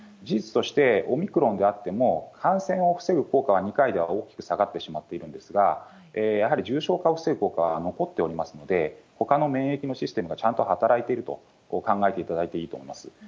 事実としてオミクロンであっても、感染を防ぐ効果は大きく下がってしまっているんですが、やはり重症化を防ぐ効果は残っておりますので、ほかの免疫のシステムがちゃんと働いていると考えていただいていいと思います。